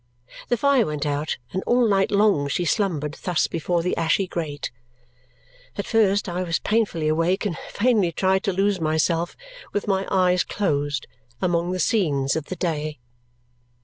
The fire went out, and all night long she slumbered thus before the ashy grate. At first I was painfully awake and vainly tried to lose myself, with my eyes closed, among the scenes of the day.